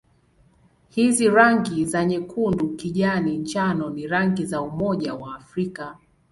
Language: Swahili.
Hizi rangi za nyekundu-kijani-njano ni rangi za Umoja wa Afrika.